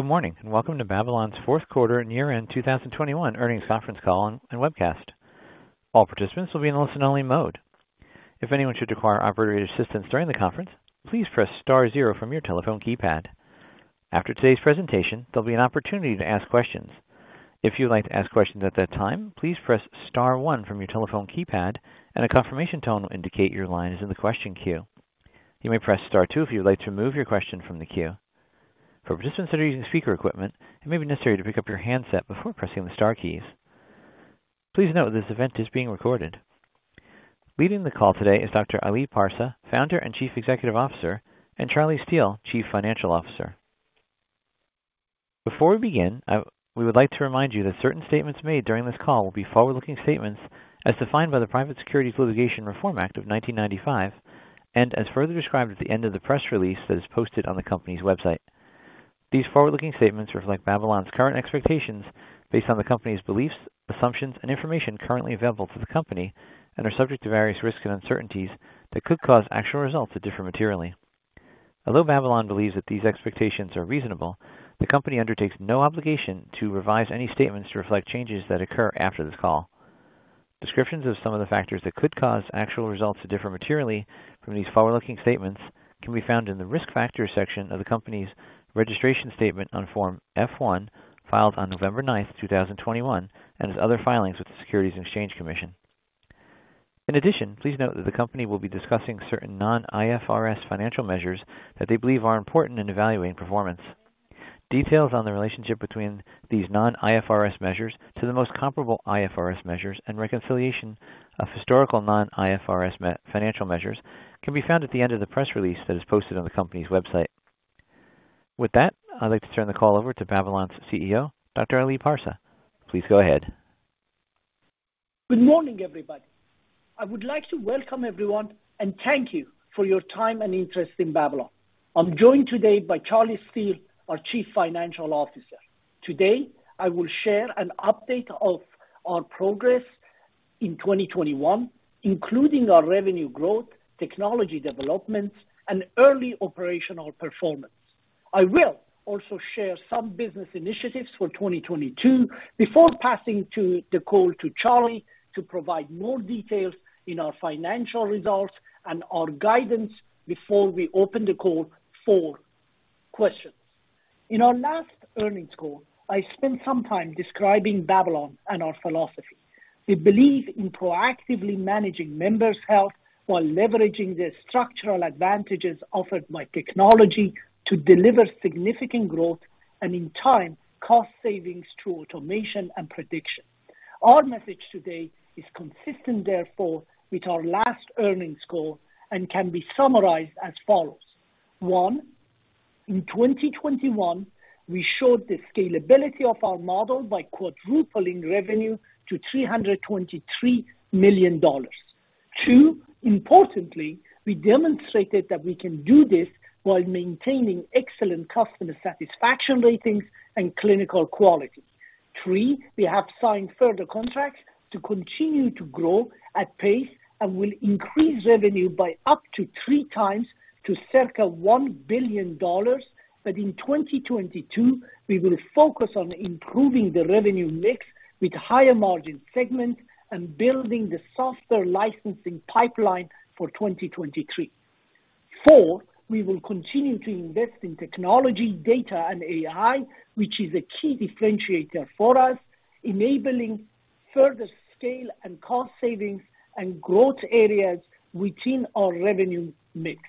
Good morning, and welcome to Babylon's Fourth Quarter and Year-End 2021 Earnings Conference Call and Webcast. All participants will be in listen-only mode. If anyone should require operator assistance during the conference, please press star zero from your telephone keypad. After today's presentation, there'll be an opportunity to ask questions. If you'd like to ask questions at that time, please press star one from your telephone keypad and a confirmation tone will indicate your line is in the question queue. You may press star two if you would like to remove your question from the queue. For participants that are using speaker equipment, it may be necessary to pick up your handset before pressing the star keys. Please note this event is being recorded. Leading the call today is Dr. Ali Parsa, Founder and Chief Executive Officer, and Charlie Steel, Chief Financial Officer. Before we begin, we would like to remind you that certain statements made during this call will be forward-looking statements as defined by the Private Securities Litigation Reform Act of 1995, and as further described at the end of the press release that is posted on the company's website. These forward-looking statements reflect Babylon's current expectations based on the company's beliefs, assumptions, and information currently available to the company and are subject to various risks and uncertainties that could cause actual results to differ materially. Although Babylon believes that these expectations are reasonable, the company undertakes no obligation to revise any statements to reflect changes that occur after this call. Descriptions of some of the factors that could cause actual results to differ materially from these forward-looking statements can be found in the Risk Factors section of the company's registration statement on Form F-1, filed on November 9, 2021, and other filings with the Securities and Exchange Commission. In addition, please note that the company will be discussing certain non-IFRS financial measures that they believe are important in evaluating performance. Details on the relationship between these non-IFRS measures to the most comparable IFRS measures and reconciliation of historical non-IFRS financial measures can be found at the end of the press release that is posted on the company's website. With that, I'd like to turn the call over to Babylon's CEO, Dr. Ali Parsa. Please go ahead. Good morning, everybody. I would like to welcome everyone and thank you for your time and interest in Babylon. I'm joined today by Charlie Steel, our Chief Financial Officer. Today, I will share an update of our progress in 2021, including our revenue growth, technology developments, and early operational performance. I will also share some business initiatives for 2022 before passing to the call to Charlie to provide more details in our financial results and our guidance before we open the call for questions. In our last earnings call, I spent some time describing Babylon and our philosophy. We believe in proactively managing members' health while leveraging the structural advantages offered by technology to deliver significant growth and, in time, cost savings through automation and prediction. Our message today is consistent, therefore, with our last earnings call and can be summarized as follows. One, in 2021, we showed the scalability of our model by quadrupling revenue to $323 million. Two, importantly, we demonstrated that we can do this while maintaining excellent customer satisfaction ratings and clinical quality. Three, we have signed further contracts to continue to grow at pace and will increase revenue by up to 3x to circa $1 billion. In 2022, we will focus on improving the revenue mix with higher margin segments and building the software licensing pipeline for 2023. Four, we will continue to invest in technology, data, and AI, which is a key differentiator for us, enabling further scale and cost savings and growth areas within our revenue mix.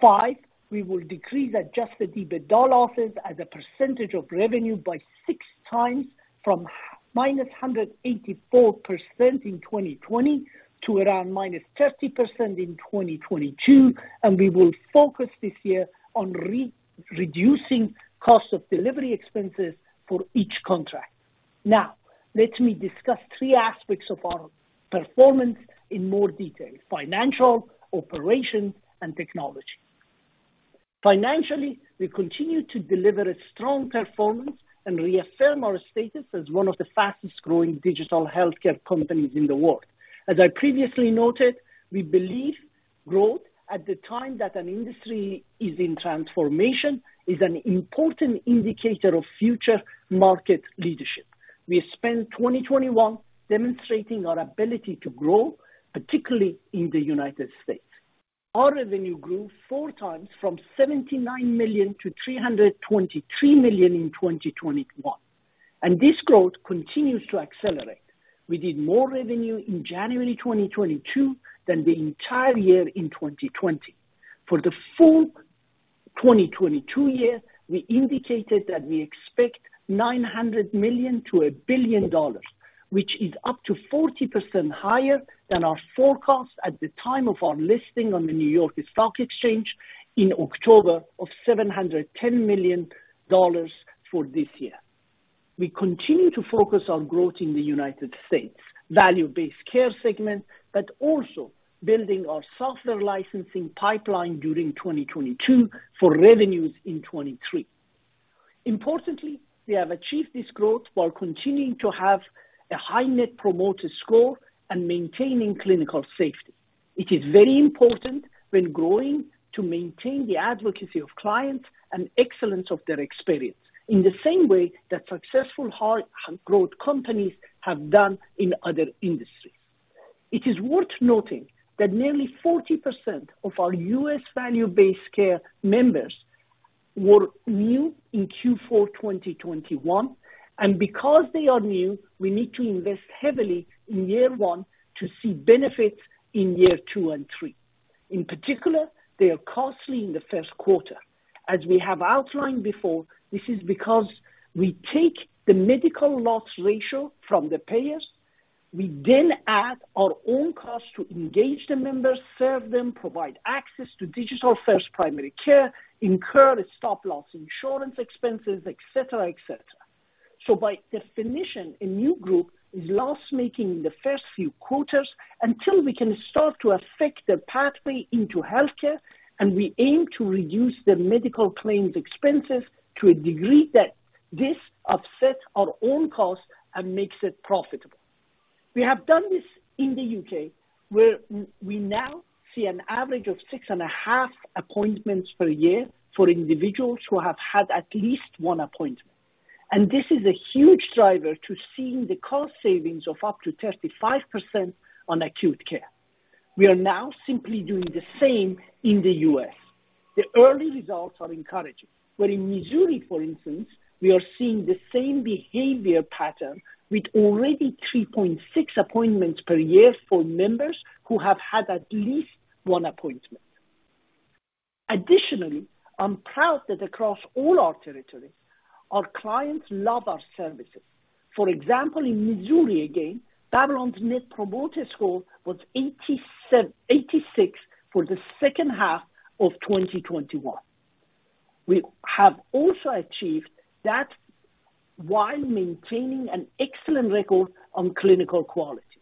Five, we will decrease adjusted EBITDA losses as a percentage of revenue by 6x from -184% in 2020 to around -30% in 2022, and we will focus this year on reducing cost of delivery expenses for each contract. Now, let me discuss three aspects of our performance in more detail, financial, operations, and technology. Financially, we continue to deliver a strong performance and reaffirm our status as one of the fastest-growing digital healthcare companies in the world. As I previously noted, we believe growth at the time that an industry is in transformation is an important indicator of future market leadership. We spent 2021 demonstrating our ability to grow, particularly in the United States. Our revenue grew 4x from $79 million to $323 million in 2021, and this growth continues to accelerate. We did more revenue in January 2022 than the entire year in 2020. For the full 2022 year, we indicated that we expect $900 million-$1 billion, which is up to 40% higher than our forecast at the time of our listing on the New York Stock Exchange in October of $710 million for this year. We continue to focus on growth in the United States value-based care segment, but also building our software licensing pipeline during 2022 for revenues in 2023. Importantly, we have achieved this growth while continuing to have a high Net Promoter Score and maintaining clinical safety. It is very important when growing to maintain the advocacy of clients and excellence of their experience in the same way that successful high growth companies have done in other industries. It is worth noting that nearly 40% of our U.S. value-based care members were new in Q4 2021. Because they are new, we need to invest heavily in year one to see benefits in year two and three. In particular, they are costly in the first quarter. As we have outlined before, this is because we take the medical loss ratio from the payers. We then add our own cost to engage the members, serve them, provide access to digital first primary care, incur the stop loss insurance expenses, etc. By definition, a new group is loss-making in the first few quarters until we can start to affect their pathway into healthcare. We aim to reduce their medical claims expenses to a degree that this offsets our own costs and makes it profitable. We have done this in the U.K., where we now see an average of 6.5 appointments per year for individuals who have had at least one appointment. This is a huge driver to seeing the cost savings of up to 35% on acute care. We are now simply doing the same in the U.S.. The early results are encouraging, where in Missouri, for instance, we are seeing the same behavior pattern with already 3.6 appointments per year for members who have had at least one appointment. Additionally, I'm proud that across all our territories, our clients love our services. For example, in Missouri again, Babylon's Net Promoter Score was 86 for the second half of 2021. We have also achieved that while maintaining an excellent record on clinical quality.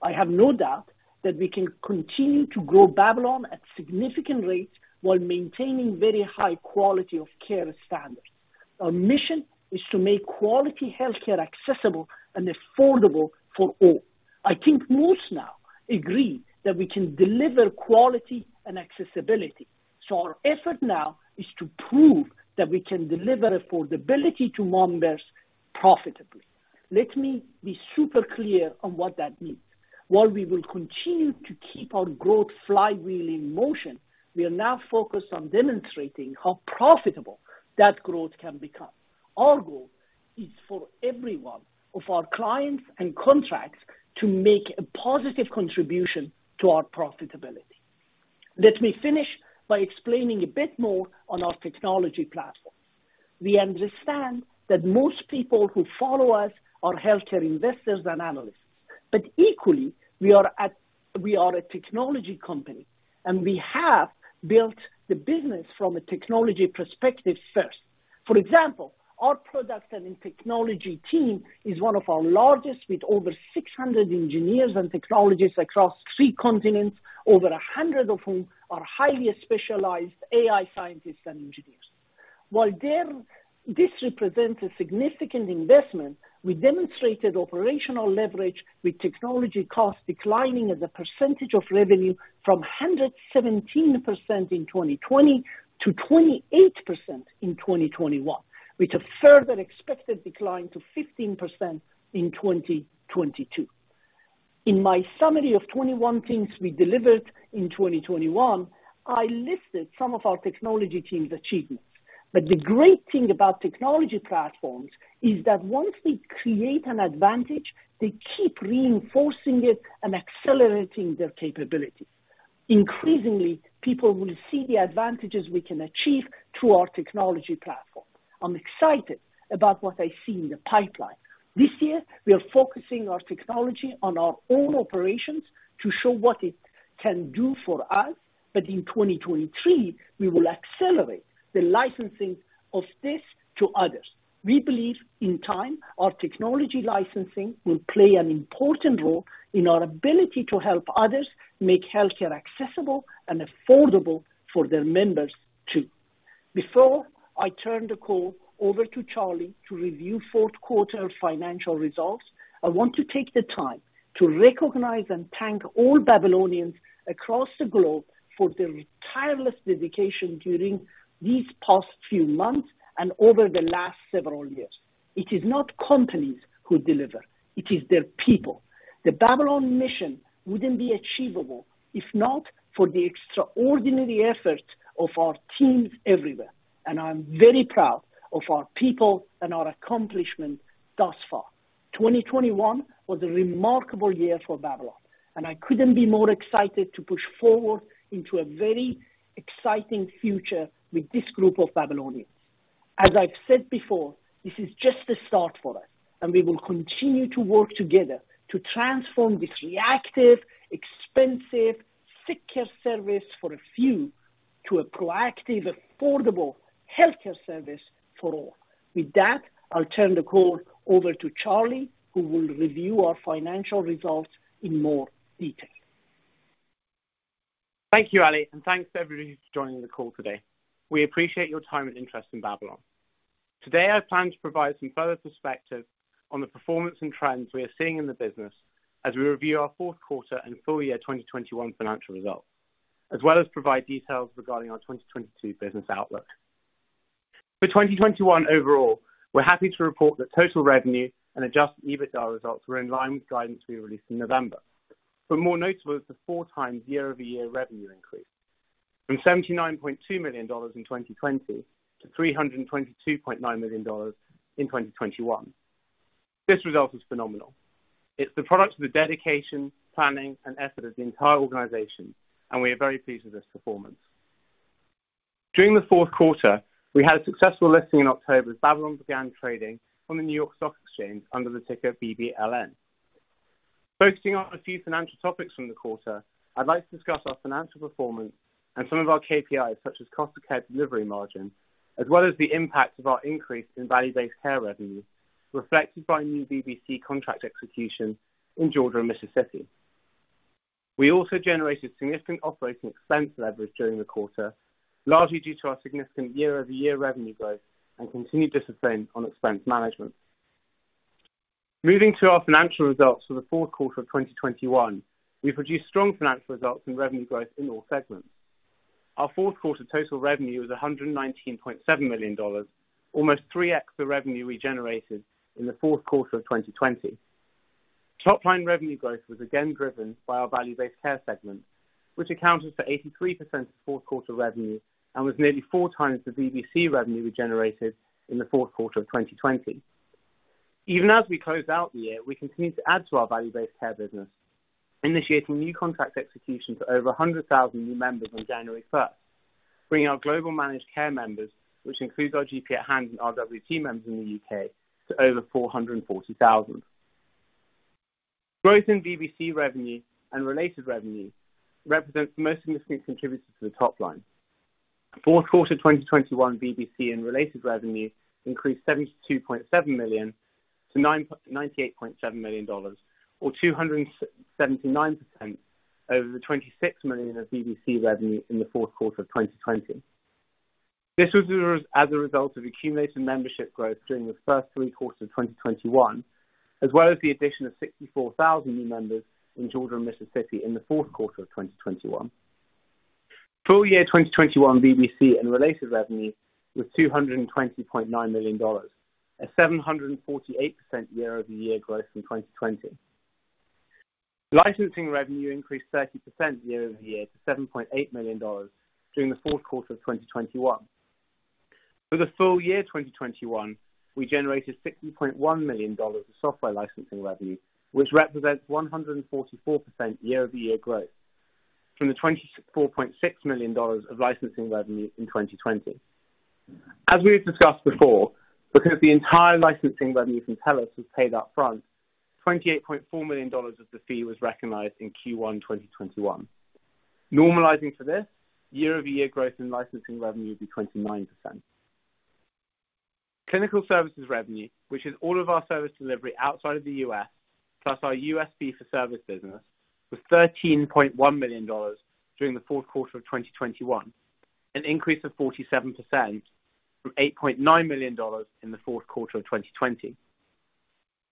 I have no doubt that we can continue to grow Babylon at significant rates while maintaining very high quality of care standards. Our mission is to make quality healthcare accessible and affordable for all. I think most now agree that we can deliver quality and accessibility. Our effort now is to prove that we can deliver affordability to members profitably. Let me be super clear on what that means. While we will continue to keep our growth flywheel in motion, we are now focused on demonstrating how profitable that growth can become. Our goal is for every one of our clients and contracts to make a positive contribution to our profitability. Let me finish by explaining a bit more on our technology platform. We understand that most people who follow us are healthcare investors and analysts, but equally, we are a technology company, and we have built the business from a technology perspective first. For example, our products and technology team is one of our largest, with over 600 engineers and technologists across three continents, over 100 of whom are highly specialized AI scientists and engineers. While this represents a significant investment, we demonstrated operational leverage with technology costs declining as a percentage of revenue from 117% in 2020 to 28% in 2021. With a further expected decline to 15% in 2022. In my summary of 21 things we delivered in 2021, I listed some of our technology team's achievements. The great thing about technology platforms is that once they create an advantage, they keep reinforcing it and accelerating their capability. Increasingly, people will see the advantages we can achieve through our technology platform. I'm excited about what I see in the pipeline. This year, we are focusing our technology on our own operations to show what it can do for us. In 2023, we will accelerate the licensing of this to others. We believe, in time, our technology licensing will play an important role in our ability to help others make healthcare accessible and affordable for their members, too. Before I turn the call over to Charlie to review fourth quarter financial results, I want to take the time to recognize and thank all Babylonians across the globe for their tireless dedication during these past few months and over the last several years. It is not companies who deliver, it is their people. The Babylon mission wouldn't be achievable if not for the extraordinary efforts of our teams everywhere. I'm very proud of our people and our accomplishments thus far. 2021 was a remarkable year for Babylon, and I couldn't be more excited to push forward into a very exciting future with this group of Babylonians. As I've said before, this is just the start for us, and we will continue to work together to transform this reactive, expensive, sick care service for a few to a proactive, affordable healthcare service for all. With that, I'll turn the call over to Charlie, who will review our financial results in more detail. Thank you, Ali, and thanks to everybody for joining the call today. We appreciate your time and interest in Babylon. Today, I plan to provide some further perspective on the performance and trends we are seeing in the business as we review our fourth quarter and full year 2021 financial results, as well as provide details regarding our 2022 business outlook. For 2021 overall, we're happy to report that total revenue and adjusted EBITDA results were in line with guidance we released in November. More notable is the 4x year-over-year revenue increase from $79.2 million in 2020 to $322.9 million in 2021. This result is phenomenal. It's the product of the dedication, planning, and effort of the entire organization, and we are very pleased with this performance. During the fourth quarter, we had a successful listing in October as Babylon began trading on the New York Stock Exchange under the ticker BBLN. Focusing on a few financial topics from the quarter, I'd like to discuss our financial performance and some of our KPIs, such as cost of care delivery margin, as well as the impact of our increase in value-based care revenue, reflected by new VBC contract execution in Georgia and Mississippi. We also generated significant operating expense leverage during the quarter, largely due to our significant year-over-year revenue growth and continued discipline on expense management. Moving to our financial results for the fourth quarter of 2021. We produced strong financial results and revenue growth in all segments. Our fourth quarter total revenue was $119.7 million, almost 3x the revenue we generated in the fourth quarter of 2020. Top-line revenue growth was again driven by our value-based care segment, which accounted for 83% of fourth quarter revenue and was nearly 4x the VBC revenue we generated in the fourth quarter of 2020. Even as we close out the year, we continue to add to our value-based care business, initiating new contract execution to over 100,000 new members on January 1st, bringing our global managed care members, which includes our GP at Hand and RWT members in the U.K., to over 440,000. Growth in VBC revenue and related revenue represents the most significant contributor to the top line. Fourth quarter 2021 VBC and related revenue increased $72.7 million to $98.7 million or 279% over the $26 million of VBC revenue in the fourth quarter of 2020. This was as a result of accumulated membership growth during the first three quarters of 2021, as well as the addition of 64,000 new members in Georgia and Mississippi in the fourth quarter of 2021. Full year 2021 VBC and related revenue was $220.9 million, a 748% year-over-year growth from 2020. Licensing revenue increased 30% year-over-year to $7.8 million during the fourth quarter of 2021. For the full year 2021, we generated $60.1 million of software licensing revenue, which represents 144% year-over-year growth from the $24.6 million of licensing revenue in 2020. As we've discussed before, because the entire licensing revenue from TELUS was paid up front, $28.4 million of the fee was recognized in Q1 2021. Normalizing for this, year-over-year growth in licensing revenue would be 29%. Clinical services revenue, which is all of our service delivery outside of the U.S., plus our U.S. fee-for-service business, was $13.1 million during the fourth quarter of 2021, an increase of 47% from $8.9 million in the fourth quarter of 2020.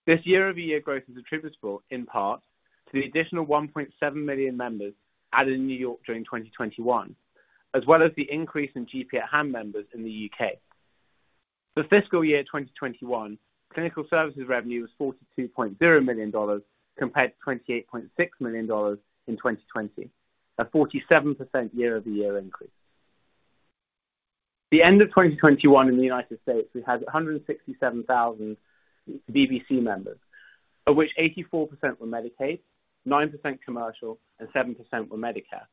This year-over-year growth is attributable in part to the additional 1.7 million members added in New York during 2021, as well as the increase in GP at Hand members in the U.K.. For fiscal year 2021, clinical services revenue was $42.0 million, compared to $28.6 million in 2020. A 47% year-over-year increase. The end of 2021 in the United States, we had 167,000 VBC members, of which 84% were Medicaid, 9% commercial, and 7% were Medicare.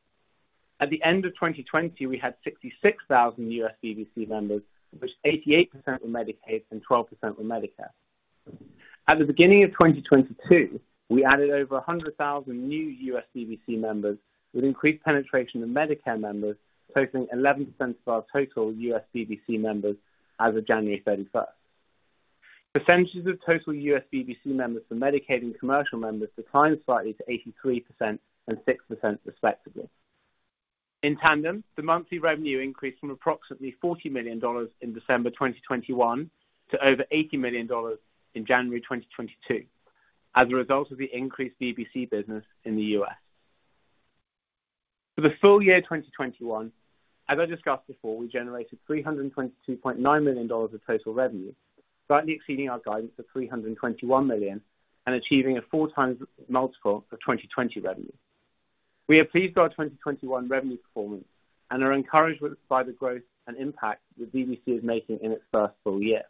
At the end of 2020, we had 66,000 U.S. VBC members, of which 88% were Medicaid and 12% were Medicare. At the beginning of 2022, we added over 100,000 new U.S. VBC members with increased penetration of Medicare members, totaling 11% of our total U.S. VBC members as of January 31. Percentages of total U.S. VBC members for Medicaid and commercial members declined slightly to 83% and 6% respectively. In tandem, the monthly revenue increased from approximately $40 million in December 2021 to over $80 million in January 2022 as a result of the increased VBC business in the U.S. For the full year 2021, as I discussed before, we generated $322.9 million of total revenue, slightly exceeding our guidance of $321 million and achieving a 4x multiple for 2020 revenue. We are pleased with our 2021 revenue performance and are encouraged by the growth and impact the VBC is making in its first full year.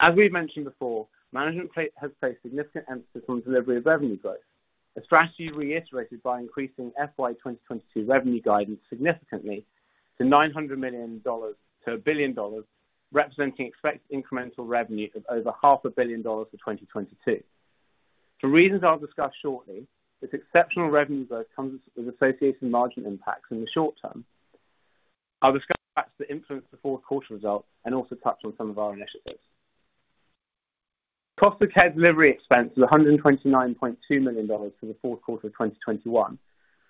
As we've mentioned before, management has placed significant emphasis on delivery of revenue growth, a strategy reiterated by increasing FY 2022 revenue guidance significantly to $900 million-$1 billion, representing expected incremental revenue of over $500 million for 2022. For reasons I'll discuss shortly, this exceptional revenue growth comes with associated margin impacts in the short-term. I'll discuss the impacts that influenced the fourth quarter results and also touch on some of our initiatives. Cost of care delivery expense was $129.2 million for the fourth quarter of 2021,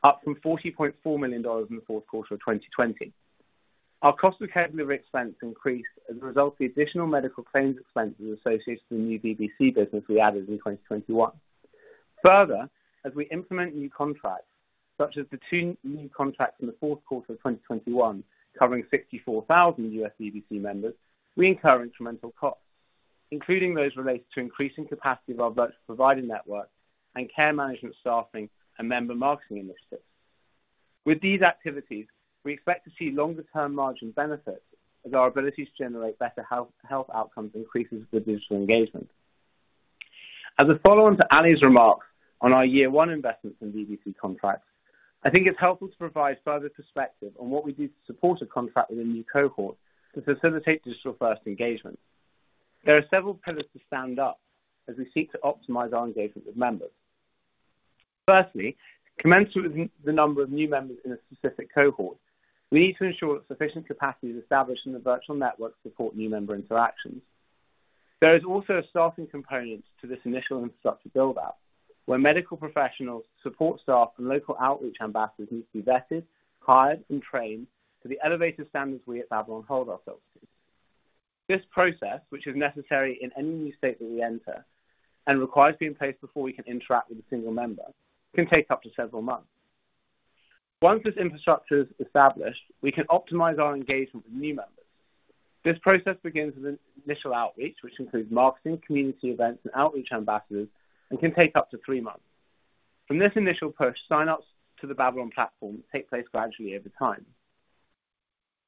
up from $40.4 million in the fourth quarter of 2020. Our cost of care delivery expense increased as a result of the additional medical claims expenses associated with the new VBC business we added in 2021. Further, as we implement new contracts, such as the two new contracts in the fourth quarter of 2021 covering 64,000 U.S. VBC members, we incur incremental costs, including those related to increasing capacity of our virtual provider network and care management staffing and member marketing initiatives. With these activities, we expect to see longer-term margin benefits as our ability to generate better health outcomes increases with digital engagement. As a follow-on to Ali's remarks on our year one investments in VBC contracts, I think it's helpful to provide further perspective on what we do to support a contract with a new cohort to facilitate digital-first engagement. There are several pillars to stand up as we seek to optimize our engagement with members. Firstly, commensurate with the number of new members in a specific cohort, we need to ensure that sufficient capacity is established in the virtual network to support new member interactions. There is also a staffing component to this initial infrastructure build-out, where medical professionals, support staff, and local outreach ambassadors need to be vetted, hired, and trained to the elevated standards we at Babylon hold ourselves to. This process, which is necessary in any new state that we enter and requires being in place before we can interact with a single member, can take up to several months. Once this infrastructure is established, we can optimize our engagement with new members. This process begins with an initial outreach, which includes marketing, community events, and outreach ambassadors, and can take up to three months. From this initial push, sign-ups to the Babylon platform take place gradually over time.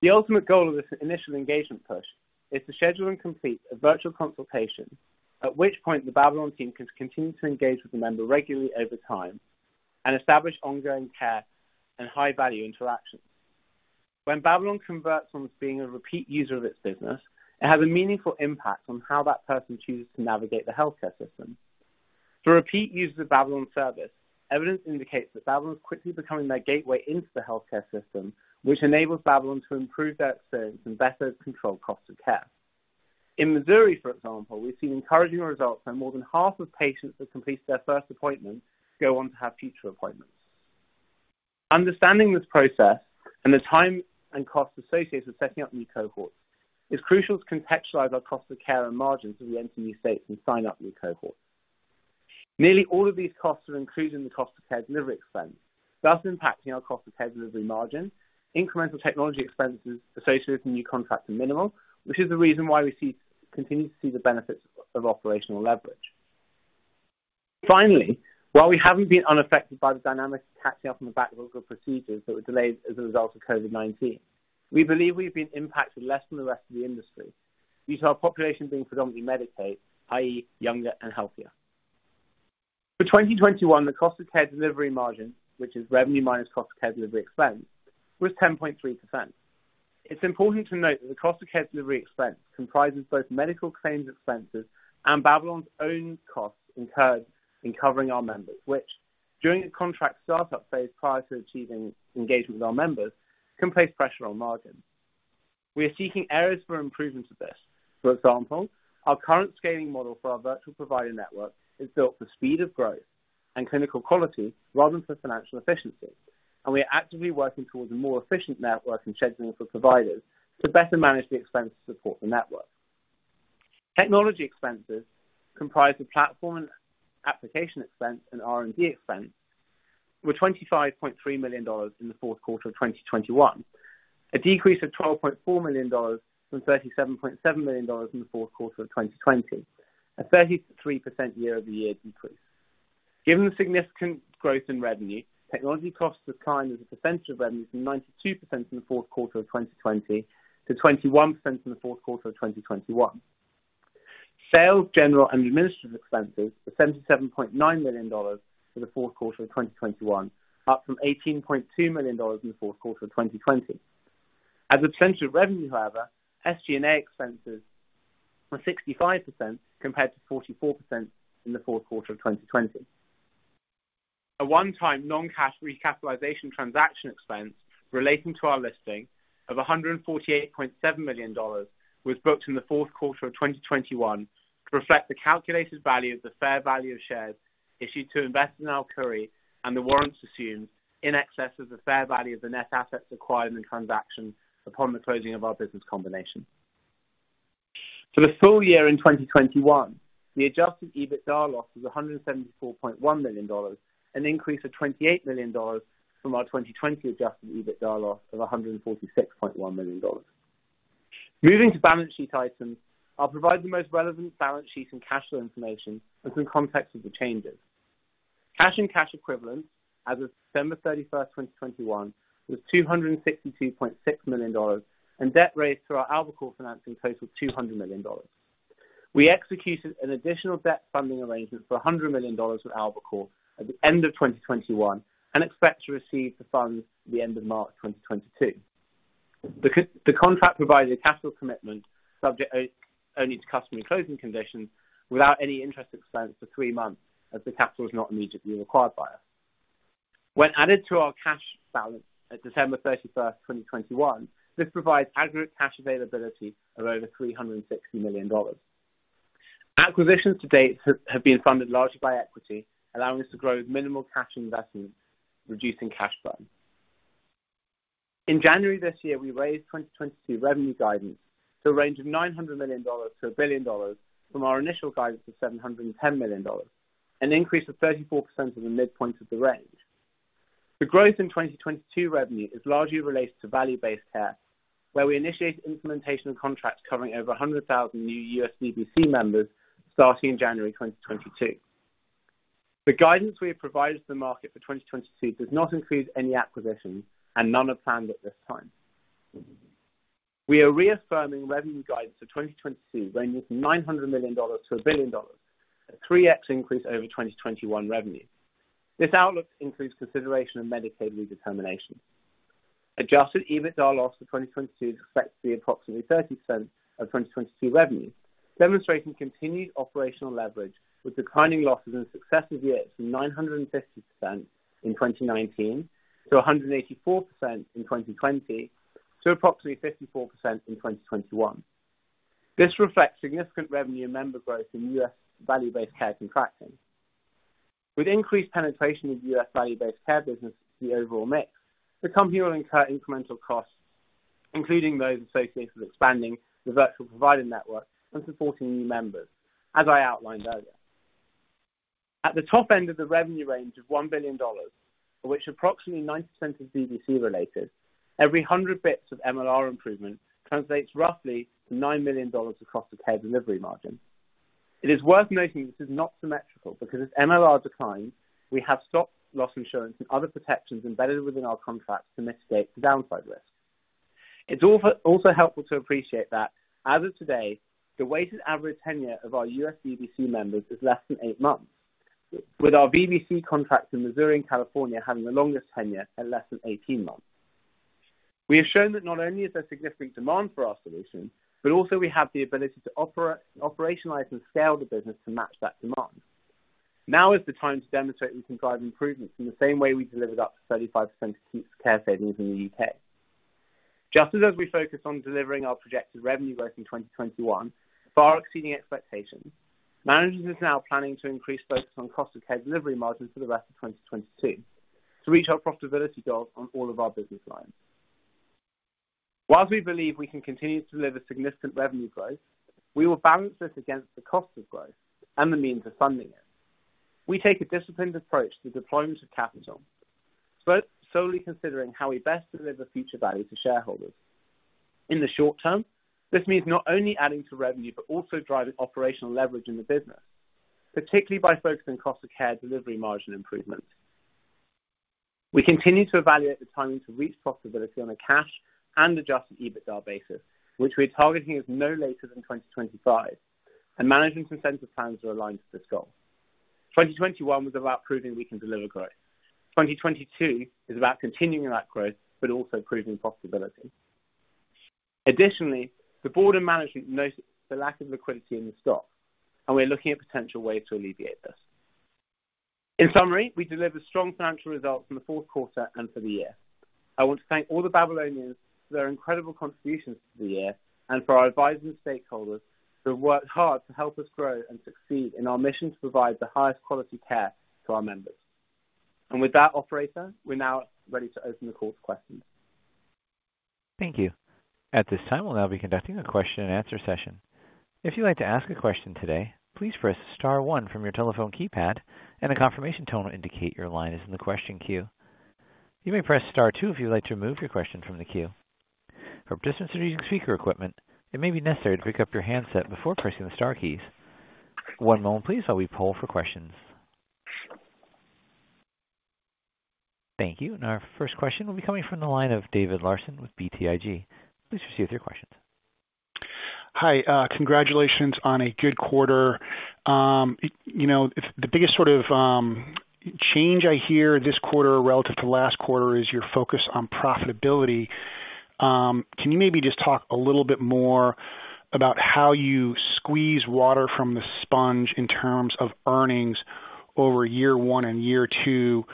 The ultimate goal of this initial engagement push is to schedule and complete a virtual consultation, at which point the Babylon team can continue to engage with the member regularly over time and establish ongoing care and high-value interactions. When Babylon converts someone to being a repeat user of its business, it has a meaningful impact on how that person chooses to navigate the healthcare system. For repeat users of Babylon's service, evidence indicates that Babylon is quickly becoming their gateway into the healthcare system, which enables Babylon to improve their experience and better control cost of care. In Missouri, for example, we've seen encouraging results that more than half of patients that complete their first appointment go on to have future appointments. Understanding this process and the time and cost associated with setting up new cohorts is crucial to contextualize our cost of care and margins as we enter new states and sign up new cohorts. Nearly all of these costs are included in the cost of care delivery expense, thus impacting our cost of care delivery margin. Incremental technology expenses associated with new contracts are minimal, which is the reason why we continue to see the benefits of operational leverage. Finally, while we haven't been unaffected by the dynamics of catching up on the back of local procedures that were delayed as a result of COVID-19, we believe we've been impacted less than the rest of the industry due to our population being predominantly Medicaid, i.e., younger and healthier. For 2021, the cost of care delivery margin, which is revenue minus cost of care delivery expense, was 10.3%. It's important to note that the cost of care delivery expense comprises both medical claims expenses and Babylon's own costs incurred in covering our members, which, during a contract startup phase prior to achieving engagement with our members, can place pressure on margins. We are seeking areas for improvement to this. For example, our current scaling model for our virtual provider network is built for speed of growth and clinical quality rather than for financial efficiency, and we are actively working towards a more efficient network and scheduling for providers to better manage the expense to support the network. Technology expenses comprised of platform application expense and R&D expense were $25.3 million in the fourth quarter of 2021, a decrease of $12.4 million from $37.7 million in the fourth quarter of 2020. A 33% year-over-year decrease. Given the significant growth in revenue, technology costs declined as a percentage of revenue from 92% in the fourth quarter of 2020 to 21% in the fourth quarter of 2021. Sales, general, and administrative expenses were $77.9 million for the fourth quarter of 2021, up from $18.2 million in the fourth quarter of 2020. As a percentage of revenue, however, SG&A expenses were 65% compared to 44% in the fourth quarter of 2020. A one-time non-cash recapitalization transaction expense relating to our listing of $148.7 million was booked in the fourth quarter of 2021 to reflect the calculated value of the fair value of shares issued to investors in Alkuri and the warrants assumed in excess of the fair value of the net assets acquired in the transaction upon the closing of our business combination. For the full year in 2021, the adjusted EBITDA loss was $174.1 million, an increase of $28 million from our 2020 adjusted EBITDA loss of $146.1 million. Moving to balance sheet items, I'll provide the most relevant balance sheet and cash flow information within context of the changes. Cash and cash equivalents as of December 31, 2021 was $262.6 million, and debt raised through our AlbaCore financing totaled $200 million. We executed an additional debt funding arrangement for $100 million with AlbaCore at the end of 2021 and expect to receive the funds at the end of March 2022. The contract provided a capital commitment subject only to customary and closing conditions without any interest expense for three months as the capital is not immediately required by us. When added to our cash balance at December 31, 2021, this provides aggregate cash availability of over $360 million. Acquisitions to date have been funded largely by equity, allowing us to grow with minimal cash investments, reducing cash burn. In January this year, we raised 2022 revenue guidance to a range of $900 million-$1 billion from our initial guidance of $710 million, an increase of 34% of the midpoint of the range. The growth in 2022 revenue is largely related to value-based care, where we initiated implementation of contracts covering over 100,000 new U.S. VBC members starting January 2022. The guidance we have provided to the market for 2022 does not include any acquisitions and none are planned at this time. We are reaffirming revenue guidance for 2022 ranging from $900 million-$1 billion, a 3x increase over 2021 revenue. This outlook includes consideration of Medicaid redetermination. Adjusted EBITDA loss for 2022 reflects the approximately 30% of 2022 revenue, demonstrating continued operational leverage with declining losses in successive years from 950% in 2019 to 184% in 2020 to approximately 54% in 2021. This reflects significant revenue and member growth in U.S. value-based care contracting. With increased penetration of U.S. value-based care business as the overall mix, the company will incur incremental costs, including those associated with expanding the virtual provider network and supporting new members, as I outlined earlier. At the top end of the revenue range of $1 billion, of which approximately 90% is VBC related, every 100 bps of MLR improvement translates roughly to $9 million across the care delivery margin. It is worth noting this is not symmetrical because as MLR declines, we have stop loss insurance and other protections embedded within our contracts to mitigate the downside risk. It's also helpful to appreciate that as of today, the weighted average tenure of our U.S. VBC members is less than eight months. With our VBC contracts in Missouri and California having the longest tenure at less than 18 months. We have shown that not only is there significant demand for our solutions, but also we have the ability to operationalize and scale the business to match that demand. Now is the time to demonstrate we can drive improvements in the same way we delivered up to 35% care savings in the U.K.. Just as we focus on delivering our projected revenue growth in 2021, far exceeding expectations, management is now planning to increase focus on cost of care delivery margins for the rest of 2022 to reach our profitability goals on all of our business lines. Whilst we believe we can continue to deliver significant revenue growth, we will balance this against the cost of growth and the means of funding it. We take a disciplined approach to deployment of capital, but solely considering how we best deliver future value to shareholders. In the short term, this means not only adding to revenue, but also driving operational leverage in the business, particularly by focusing cost of care delivery margin improvements. We continue to evaluate the timing to reach profitability on a cash and adjusted EBITDA basis, which we're targeting as no later than 2025, and management's consensus plans are aligned to this goal. 2021 was about proving we can deliver growth. 2022 is about continuing that growth, but also proving profitability. Additionally, the board and management noticed the lack of liquidity in the stock, and we're looking at potential ways to alleviate this. In summary, we delivered strong financial results in the fourth quarter and for the year. I want to thank all the Babylonians for their incredible contributions to the year and for our advisors and stakeholders who have worked hard to help us grow and succeed in our mission to provide the highest quality care to our members. With that, operator, we're now ready to open the call to questions. Thank you. At this time, we'll now be conducting a question-and-answer session. If you'd like to ask a question today, please press star one from your telephone keypad and a confirmation tone will indicate your line is in the question queue. You may press star two if you'd like to remove your question from the queue. For participants who are using speaker equipment, it may be necessary to pick up your handset before pressing the star keys. One moment please, while we poll for questions. Thank you. Our first question will be coming from the line of David Larsen with BTIG. Please proceed with your questions. Hi, congratulations on a good quarter. You know, the biggest sort of change I hear this quarter relative to last quarter is your focus on profitability. Can you maybe just talk a little bit more about how you squeeze water from the sponge in terms of earnings over year one and year two?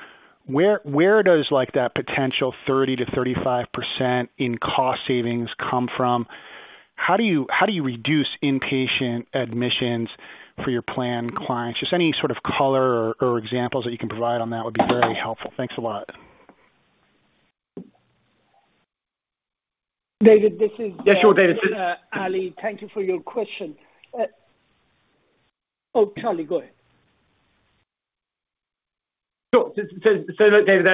Where does like that potential 30%-35% in cost savings come from? How do you reduce inpatient admissions for your plan clients? Just any sort of color or examples that you can provide on that would be very helpful. Thanks a lot. David, this is. Yes. Sure. Ali. Thank you for your question. Oh, Charlie, go ahead. Sure. David,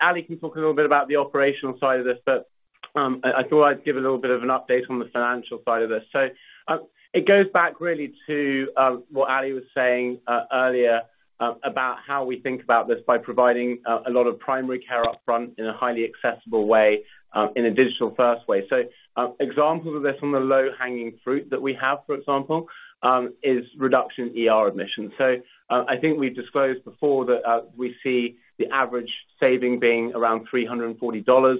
Ali can talk a little bit about the operational side of this, but I thought I'd give a little bit of an update on the financial side of this. It goes back really to what Ali was saying earlier about how we think about this by providing a lot of primary care upfront in a highly accessible way in a digital first way. Examples of this from the low-hanging fruit that we have, for example, is reduction in ER admissions. I think we've disclosed before that we see the average saving being around $340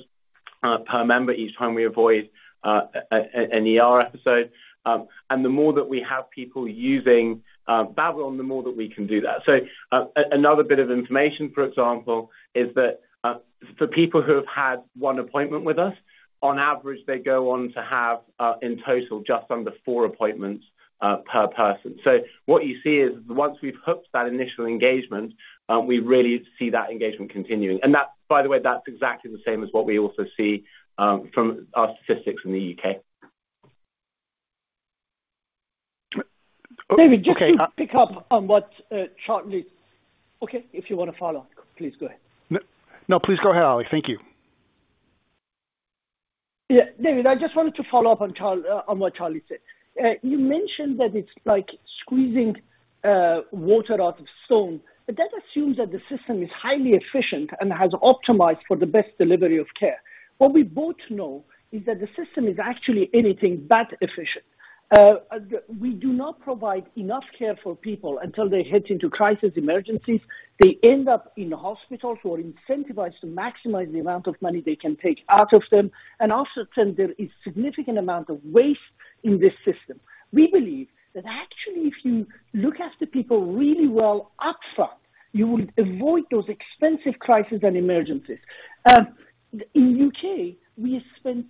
per member each time we avoid an ER episode. The more that we have people using Babylon, the more that we can do that. Another bit of information, for example, is that for people who have had one appointment with us, on average, they go on to have, in total, just under four appointments per person. What you see is once we've hooked that initial engagement, we really see that engagement continuing. That's, by the way, exactly the same as what we also see from our statistics in the U.K.. David, just to pick up on what, Charlie. Okay, if you wanna follow, please go ahead. No, please go ahead, Ali. Thank you. Yeah. David, I just wanted to follow-up on what Charlie said. You mentioned that it's like squeezing water out of stone, but that assumes that the system is highly efficient and has optimized for the best delivery of care. What we both know is that the system is actually anything but efficient. We do not provide enough care for people until they head into crisis emergencies. They end up in hospitals who are incentivized to maximize the amount of money they can take out of them. Also, there is significant amount of waste in this system. We believe that actually if you look after people really well upfront, you would avoid those expensive crisis and emergencies. In U.K., we spend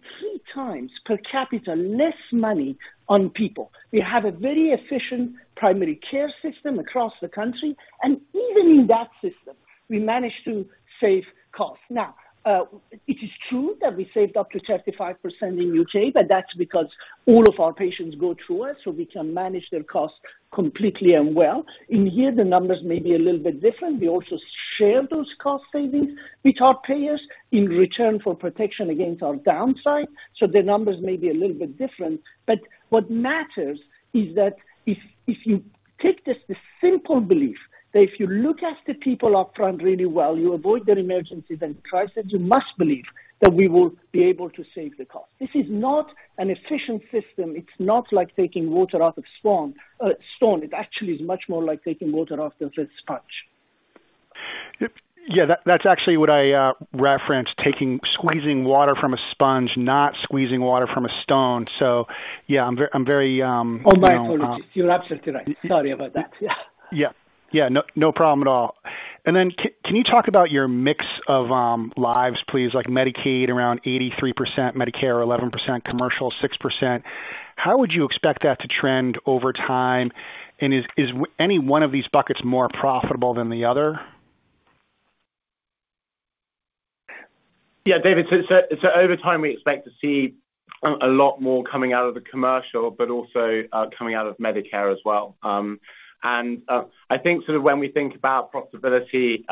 3x per capita less money on people. We have a very efficient primary care system across the country, and even in that system, we manage to save costs. Now, it is true that we saved up to 35% in U.K., but that's because all of our patients go through us, so we can manage their costs completely and well. In here, the numbers may be a little bit different. We also share those cost savings with our payers in return for protection against our downside. The numbers may be a little bit different, but what matters is that if you take this simple belief, that if you look after people upfront really well, you avoid their emergencies and crisis, you must believe that we will be able to save the cost. This is not an efficient system. It's not like taking water out of a stone. It actually is much more like taking water out of a sponge. Yeah. That's actually what I referenced, taking squeezing water from a sponge, not squeezing water from a stone. Yeah, I'm very, you know. Oh, my apologies. You're absolutely right. Sorry about that. Yeah. Yeah. No problem at all. Can you talk about your mix of lives, please? Like Medicaid around 83%, Medicare 11%, commercial 6%. How would you expect that to trend over time? Is any one of these buckets more profitable than the other? Yeah. David, so over time, we expect to see a lot more coming out of the commercial, but also coming out of Medicare as well. I think sort of when we think about profitability,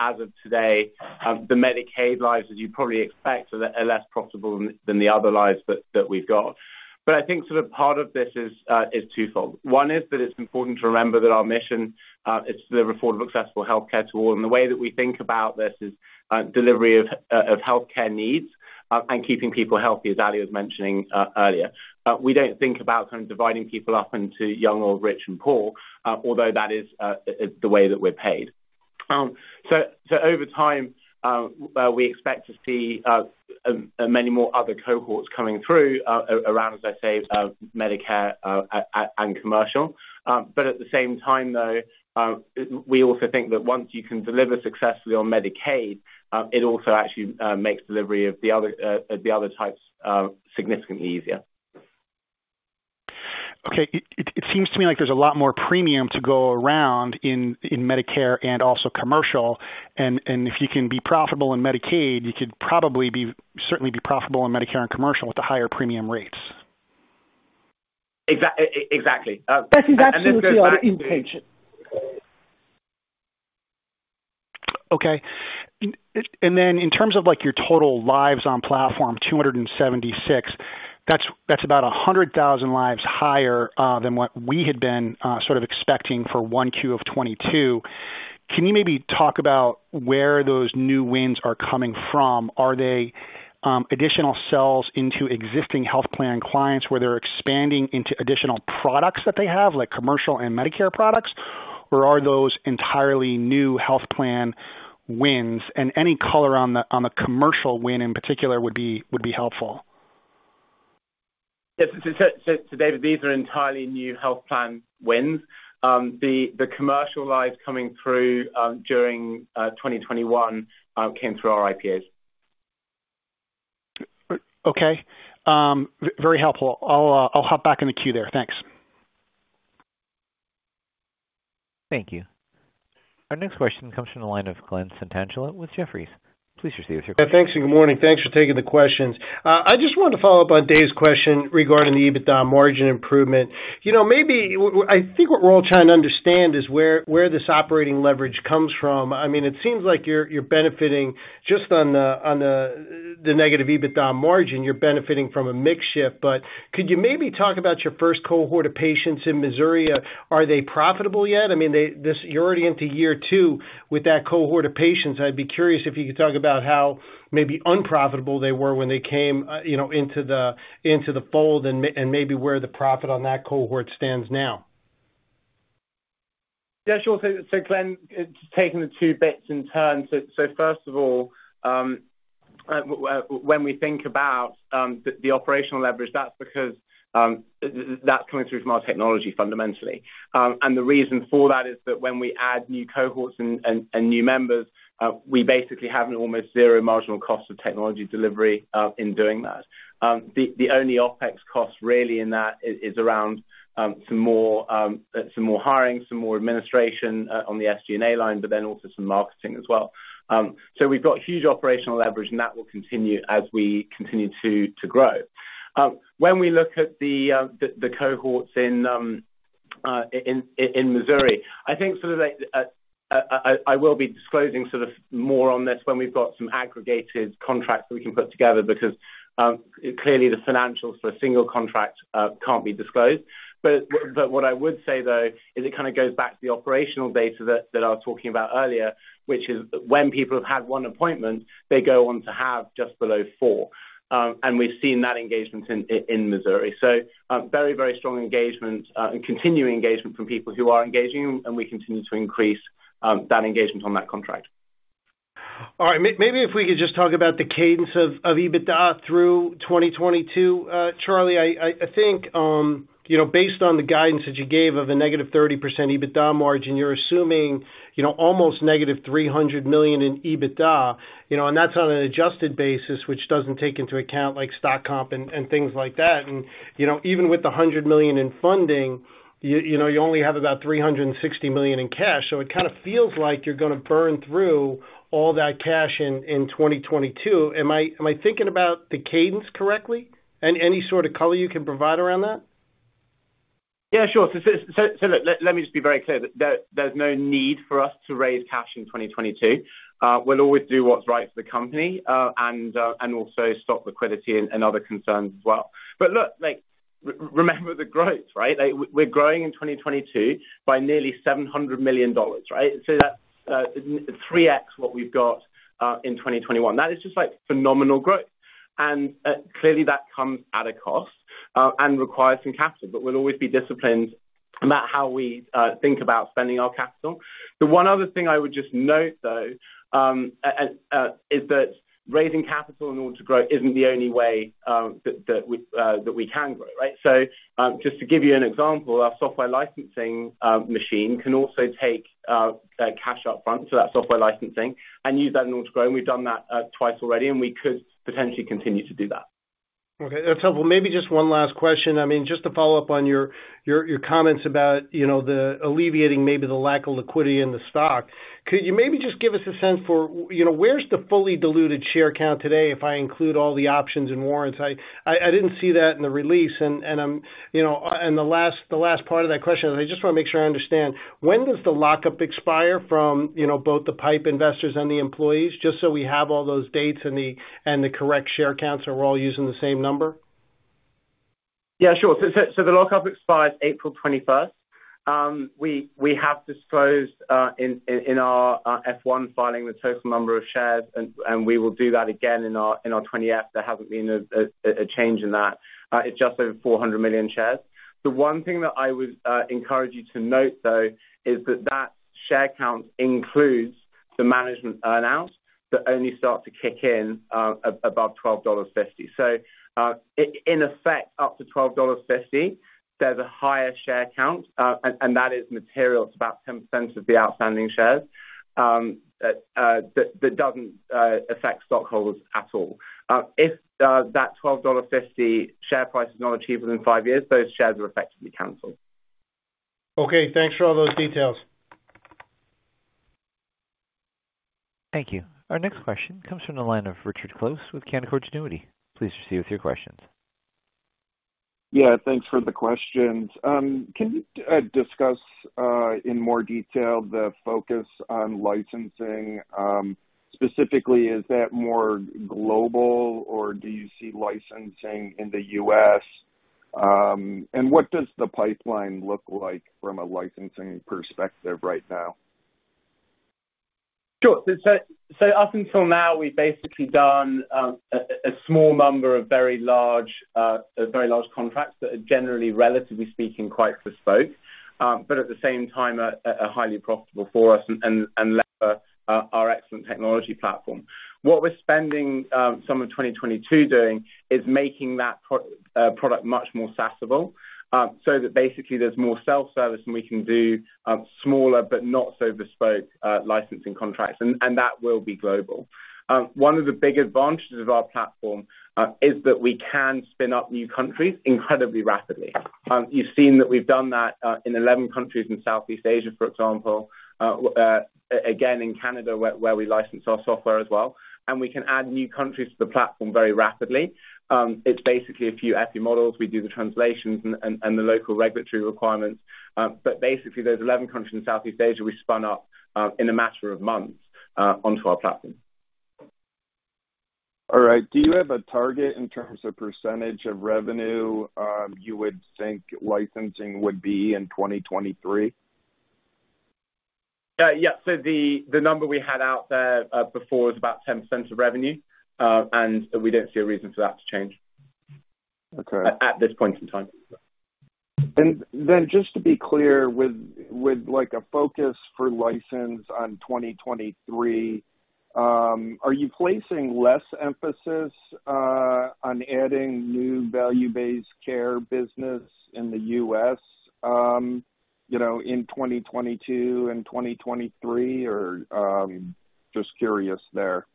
as of today, the Medicaid lives, as you probably expect, they're less profitable than the other lives that we've got. But I think sort of part of this is twofold. One is that it's important to remember that our mission is to deliver affordable, accessible healthcare to all. The way that we think about this is delivery of healthcare needs, and keeping people healthy, as Ali was mentioning earlier. We don't think about kind of dividing people up into young or rich and poor, although that is the way that we're paid. Over time, we expect to see many more other cohorts coming through, around, as I say, Medicare and commercial. At the same time, though, we also think that once you can deliver successfully on Medicaid, it also actually makes delivery of the other types significantly easier. Okay. It seems to me like there's a lot more premium to go around in Medicare and also commercial. If you can be profitable in Medicaid, you could probably certainly be profitable in Medicare and commercial with the higher premium rates. Exactly. That is absolutely our intention. Okay. In terms of like your total lives on platform, 276, that's about 100,000 lives higher than what we had been sort of expecting for 1Q of 2022. Can you maybe talk about where those new wins are coming from? Are they additional sells into existing health plan clients where they're expanding into additional products that they have, like commercial and Medicare products? Or are those entirely new health plan wins? Any color on the commercial win in particular would be helpful. Yes. David, these are entirely new health plan wins. The commercial lives coming through during 2021 came through our IPAs. Okay. Very helpful. I'll hop back in the queue there. Thanks. Thank you. Our next question comes from the line of Glen Santangelo with Jefferies. Please proceed with your question. Yeah, thanks, and good morning. Thanks for taking the questions. I just wanted to follow-up on David's question regarding the EBITDA margin improvement. You know, maybe I think what we're all trying to understand is where this operating leverage comes from. I mean, it seems like you're benefiting just on the negative EBITDA margin from a mix shift. But could you maybe talk about your first cohort of patients in Missouri? Are they profitable yet? I mean, you're already into year two with that cohort of patients. I'd be curious if you could talk about how maybe unprofitable they were when they came, you know, into the fold and maybe where the profit on that cohort stands now. Yeah, sure. Glen, just taking the two bits in turn. First of all, when we think about the operational leverage, that's because that's coming through from our technology fundamentally. The reason for that is that when we add new cohorts and new members, we basically have an almost zero marginal cost of technology delivery in doing that. The only OpEx cost really in that is around some more hiring, some more administration on the SG&A line, but then also some marketing as well. We've got huge operational leverage, and that will continue as we continue to grow. When we look at the cohorts in Missouri, I think sort of like I will be disclosing sort of more on this when we've got some aggregated contracts that we can put together because clearly the financials for a single contract can't be disclosed. What I would say though is it kind of goes back to the operational data that I was talking about earlier, which is when people have had one appointment, they go on to have just below four. We've seen that engagement in Missouri. Very strong engagement and continuing engagement from people who are engaging, and we continue to increase that engagement on that contract. All right. Maybe if we could just talk about the cadence of EBITDA through 2022. Charlie, I think, you know, based on the guidance that you gave of a -30% EBITDA margin, you're assuming, you know, almost -$300 million in EBITDA, you know, and that's on an adjusted basis, which doesn't take into account like stock comp and things like that. You know, even with the $100 million in funding, you know, you only have about $360 million in cash. It kind of feels like you're gonna burn through all that cash in 2022. Am I thinking about the cadence correctly? Any sort of color you can provide around that? Yeah, sure. Look, let me just be very clear that there's no need for us to raise cash in 2022. We'll always do what's right for the company, and also stock liquidity and other concerns as well. But look, like remember the growth, right? Like, we're growing in 2022 by nearly $700 million, right? So that's 3x what we've got in 2021. That is just like phenomenal growth. Clearly that comes at a cost and requires some capital, but we'll always be disciplined about how we think about spending our capital. The one other thing I would just note, though, is that raising capital in order to grow isn't the only way that we can grow, right? Just to give you an example, our software licensing machine can also take cash up front, so that software licensing and use that in order to grow. We've done that twice already, and we could potentially continue to do that. Okay, that's helpful. Maybe just one last question. I mean, just to follow-up on your comments about, you know, the alleviating maybe the lack of liquidity in the stock. Could you maybe just give us a sense for, you know, where's the fully diluted share count today if I include all the options and warrants? I didn't see that in the release. And I'm, you know, and the last part of that question, I just wanna make sure I understand, when does the lockup expire from, you know, both the PIPE investors and the employees? Just so we have all those dates and the correct share counts, so we're all using the same number. Yeah, sure. The lockup expires April 21st. We have disclosed in our F-1 filing the total number of shares, and we will do that again in our 20-F. There hasn't been a change in that. It's just over 400 million shares. The one thing that I would encourage you to note, though, is that that share count includes the management earn-outs that only start to kick in above $12.50. In effect, up to $12.50, there's a higher share count, and that is material to about 10% of the outstanding shares that doesn't affect stockholders at all. If that $12.50 share price is not achievable in five years, those shares are effectively canceled. Okay, thanks for all those details. Thank you. Our next question comes from the line of Richard Close with Canaccord Genuity. Please proceed with your questions. Yeah, thanks for the questions. Can you discuss in more detail the focus on licensing? Specifically, is that more global, or do you see licensing in the U.S.? What does the pipeline look like from a licensing perspective right now? Sure. Up until now, we've basically done a small number of very large contracts that are generally, relatively speaking, quite bespoke, but at the same time are highly profitable for us and leverage our excellent technology platform. What we're spending some of 2022 doing is making that product much more SaaS-able, so that basically there's more self-service and we can do smaller but not so bespoke licensing contracts, and that will be global. One of the big advantages of our platform is that we can spin up new countries incredibly rapidly. You've seen that we've done that in 11 countries in Southeast Asia, for example, again, in Canada where we license our software as well, and we can add new countries to the platform very rapidly. It's basically a few ML models. We do the translations and the local regulatory requirements. Basically, those 11 countries in Southeast Asia we spun up in a matter of months onto our platform. All right. Do you have a target in terms of percentage of revenue, you would think licensing would be in 2023? Yeah. The number we had out there before was about 10% of revenue, and we don't see a reason for that to change. Okay. At this point in time. Just to be clear, with like a focus on licensing on 2023, are you placing less emphasis on adding new value-based care business in the U.S., you know, in 2022 and 2023, or just curious there?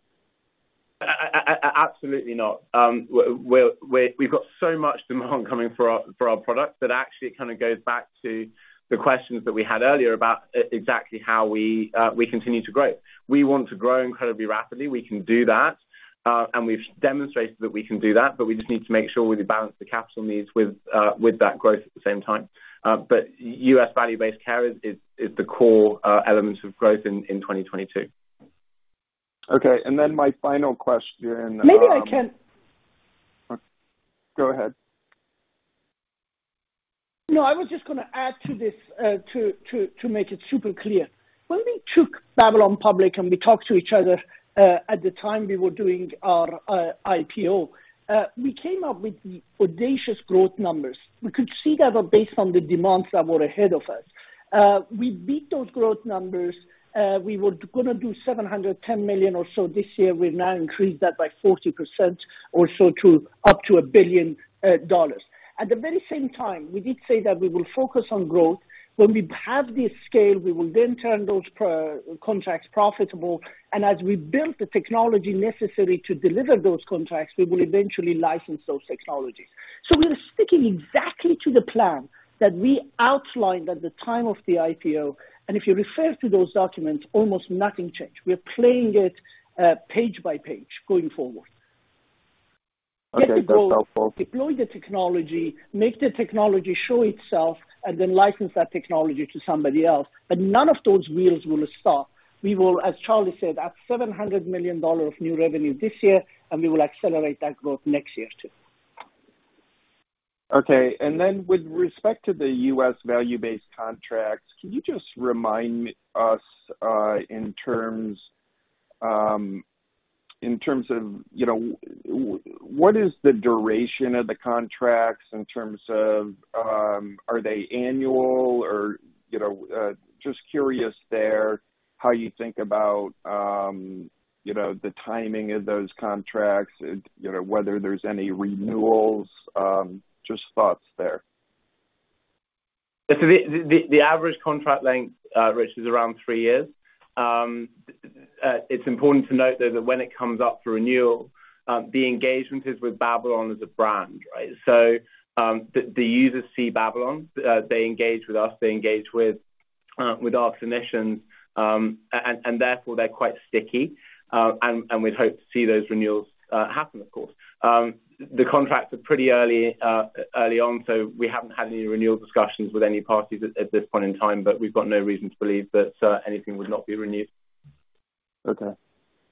Absolutely not. We've got so much demand coming for our products that actually it kind of goes back to the questions that we had earlier about exactly how we continue to grow. We want to grow incredibly rapidly. We can do that, and we've demonstrated that we can do that, but we just need to make sure we balance the capital needs with that growth at the same time. U.S. value-based care is the core element of growth in 2022. Okay. My final question. Maybe I can. Go ahead. No, I was just gonna add to this, to make it super clear. When we took Babylon public and we talked to each other, at the time we were doing our IPO, we came up with audacious growth numbers. We could see that were based on the demands that were ahead of us. We beat those growth numbers. We were gonna do $710 million or so this year. We've now increased that by 40% or so to up to $1 billion. At the very same time, we did say that we will focus on growth. When we have this scale, we will then turn those provider contracts profitable, and as we build the technology necessary to deliver those contracts, we will eventually license those technologies. We're sticking exactly to the plan that we outlined at the time of the IPO, and if you refer to those documents, almost nothing changed. We're playing it, page by page going forward. Okay. That's helpful. Get the growth, deploy the technology, make the technology show itself, and then license that technology to somebody else. None of those wheels will stop. We will, as Charlie said, add $700 million of new revenue this year, and we will accelerate that growth next year too. Okay. With respect to the U.S. value-based contracts, can you just remind us in terms of, you know, what is the duration of the contracts in terms of, are they annual or, you know, just curious there how you think about, you know, the timing of those contracts, you know, whether there's any renewals, just thoughts there? The average contract length, Rich, is around three years. It's important to note, though, that when it comes up for renewal, the engagement is with Babylon as a brand, right? The users see Babylon, they engage with us, they engage with our clinicians, and therefore they're quite sticky. We'd hope to see those renewals happen, of course. The contracts are pretty early on, so we haven't had any renewal discussions with any parties at this point in time, but we've got no reason to believe that anything would not be renewed. Okay.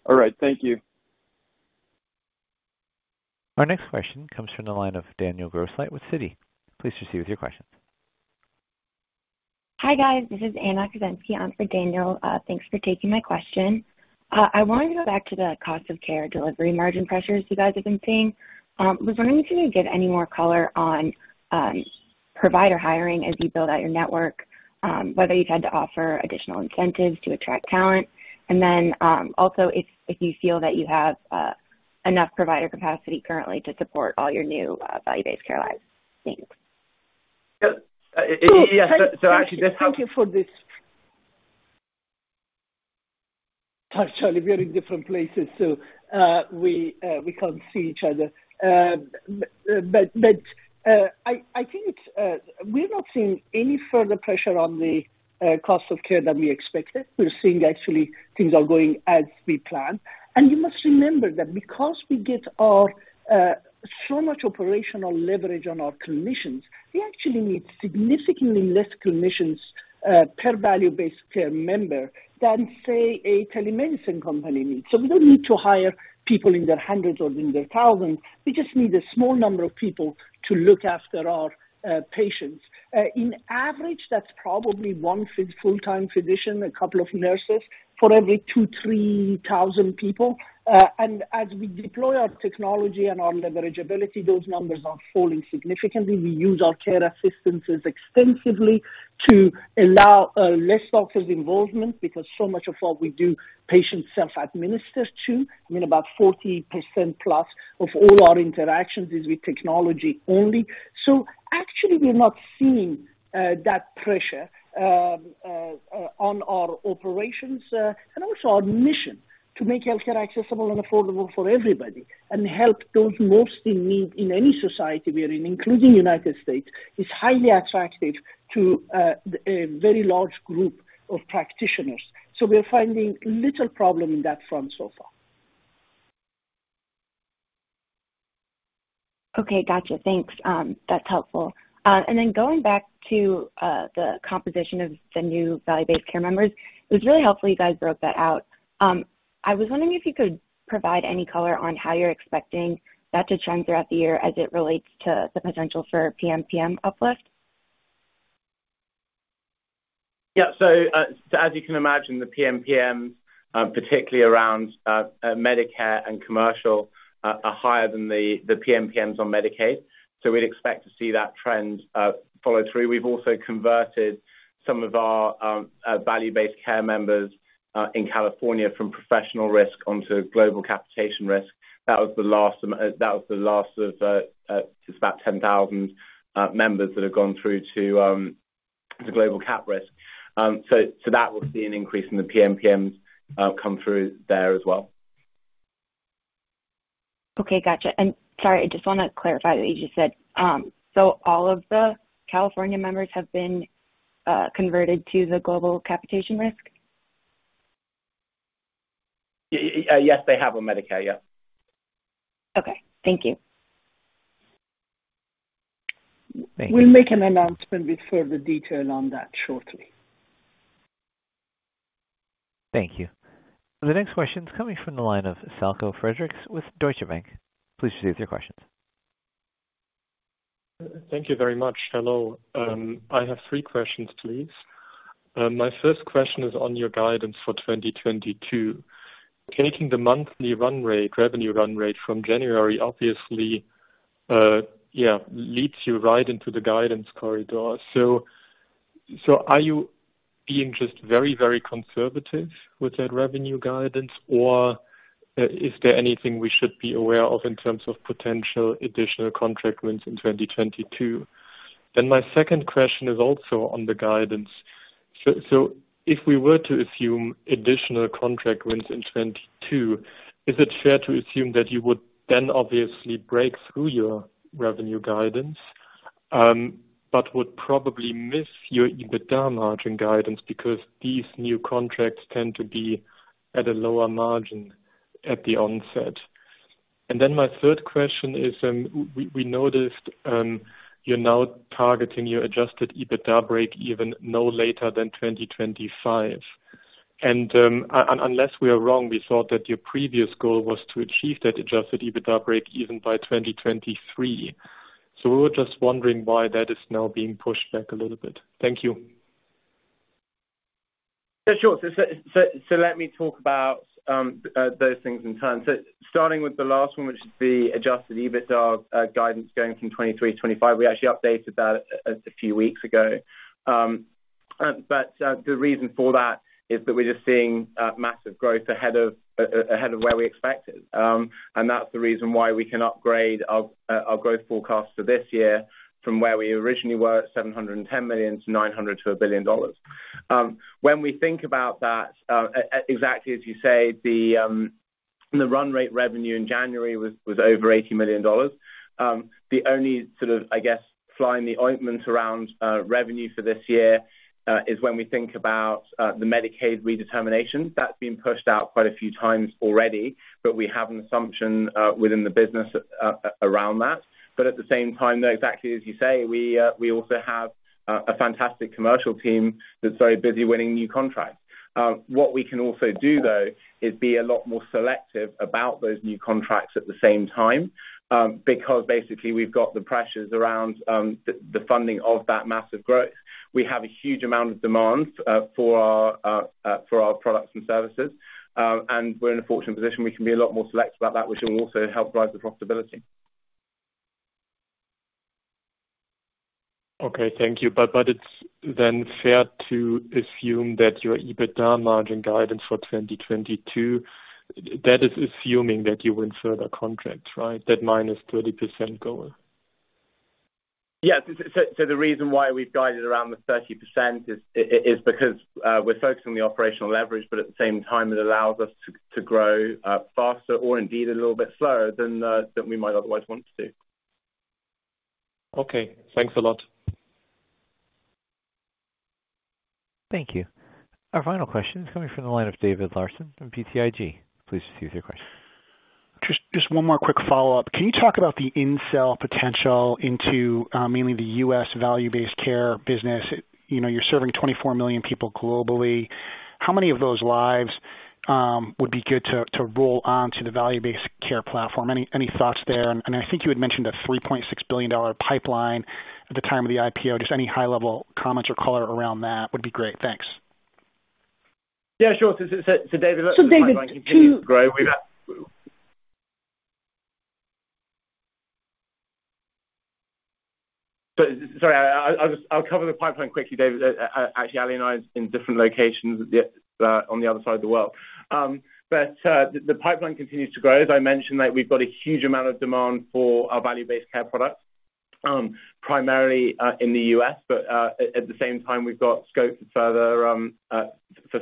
All right. Thank you. Our next question comes from the line of Daniel Grosslight with Citi. Please proceed with your question. Hi, guys. This is Anna Kruszenski on for Daniel. Thanks for taking my question. I wanted to go back to the cost of care delivery margin pressures you guys have been seeing. Was wondering if you could give any more color on provider hiring as you build out your network, whether you've had to offer additional incentives to attract talent. Also if you feel that you have enough provider capacity currently to support all your new value-based care lives. Thanks. Yeah. Actually Thank you for this. Sorry, Charlie, we are in different places, so we can't see each other. I think we're not seeing any further pressure on the cost of care than we expected. We're seeing actually things are going as we planned. You must remember that because we get so much operational leverage on our clinicians, we actually need significantly less clinicians per value-based care member than, say, a telemedicine company needs. We don't need to hire people in their hundreds or in their thousands. We just need a small number of people to look after our patients. On average, that's probably one full-time physician, a couple of nurses for every 2,000-3,000 people. As we deploy our technology and our leveragability, those numbers are falling significantly. We use our care assistants extensively to allow less doctors' involvement because so much of what we do patients self-administer to. I mean about 40%+ of all our interactions is with technology only. Actually we're not seeing that pressure on our operations. Also our mission to make healthcare accessible and affordable for everybody and help those most in need in any society we are in, including United States, is highly attractive to a very large group of practitioners. We're finding little problem in that front so far. Okay. Gotcha. Thanks. That's helpful. Then going back to the composition of the new value-based care members, it was really helpful you guys broke that out. I was wondering if you could provide any color on how you're expecting that to trend throughout the year as it relates to the potential for PMPM uplift. Yeah. As you can imagine, the PMPM, particularly around Medicare and commercial are higher than the PMPMs on Medicaid. We'd expect to see that trend follow through. We've also converted some of our value-based care members in California from professional risk onto global capitation risk. That was the last of just about 10,000 members that have gone through to global cap risk. That will see an increase in the PMPMs come through there as well. Okay. Gotcha. Sorry, I just wanna clarify what you just said. All of the California members have been converted to the global capitation risk? Yes, they have on Medicare, yeah. Okay. Thank you. Thank you. We'll make an announcement with further detail on that shortly. Thank you. The next question is coming from the line of Falko Friedrichs with Deutsche Bank. Please proceed with your questions. Thank you very much. Hello. I have three questions, please. My first question is on your guidance for 2022. Taking the monthly run-rate, revenue run-rate from January, obviously, leads you right into the guidance corridor. Are you being just very, very conservative with that revenue guidance, or is there anything we should be aware of in terms of potential additional contract wins in 2022? My second question is also on the guidance. If we were to assume additional contract wins in 2022, is it fair to assume that you would then obviously break-through your revenue guidance, but would probably miss your EBITDA margin guidance because these new contracts tend to be at a lower margin at the onset? My third question is, we noticed you're now targeting your adjusted EBITDA break even no later than 2025. Unless we are wrong, we thought that your previous goal was to achieve that adjusted EBITDA break even by 2023. We were just wondering why that is now being pushed back a little bit. Thank you. Yeah, sure. Let me talk about those things in turn. Starting with the last one, which is the adjusted EBITDA guidance going from $23 to $25. We actually updated that a few weeks ago. The reason for that is that we're just seeing massive growth ahead of where we expected. That's the reason why we can upgrade our growth forecast for this year from where we originally were, $710 million to $900 million to $1 billion. When we think about that, exactly as you say, the run-rate revenue in January was over $80 million. The only sort of, I guess, fly in the ointment around revenue for this year is when we think about the Medicaid redetermination. That's been pushed out quite a few times already, but we have an assumption within the business around that. At the same time, though, exactly as you say, we also have a fantastic commercial team that's very busy winning new contracts. What we can also do, though, is be a lot more selective about those new contracts at the same time, because basically we've got the pressures around the funding of that massive growth. We have a huge amount of demand for our products and services, and we're in a fortunate position. We can be a lot more select about that, which will also help drive the profitability. Okay. Thank you. It's then fair to assume that your EBITDA margin guidance for 2022, that is assuming that you win further contracts, right? That -30% goal. Yes. The reason why we've guided around the 30% is because we're focusing on the operational leverage, but at the same time, it allows us to grow faster or indeed a little bit slower than we might otherwise want to. Okay. Thanks a lot. Thank you. Our final question is coming from the line of David Larsen from BTIG. Please proceed with your question. Just one more quick follow-up. Can you talk about the upside potential into mainly the U.S. value-based care business? You know, you're serving 24 million people globally. How many of those lives would be good to roll on to the value-based care platform? Any thoughts there? I think you had mentioned a $3.6 billion pipeline at the time of the IPO. Just any high-level comments or color around that would be great. Thanks. Yeah, sure. David. David. The pipeline continues to grow with that. I'll cover the pipeline quickly, David. Actually, Ali and I is in different locations on the other side of the world. The pipeline continues to grow. As I mentioned, we've got a huge amount of demand for our value-based care products, primarily in the U.S.. At the same time, we've got scope for